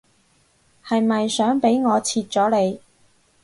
係咪想俾我切咗你